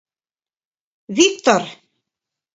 Виктор.